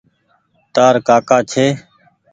تآر ڪآڪآ ڇي۔